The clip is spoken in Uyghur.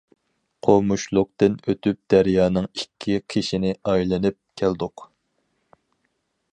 قومۇشلۇقتىن ئۆتۈپ دەريانىڭ ئىككى قېشىنى ئايلىنىپ كەلدۇق.